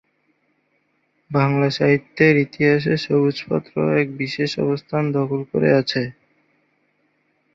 বাংলা সাহিত্যের ইতিহাসে 'সবুজ পত্র' এক বিশেষ অবস্থান দখল করে আছে।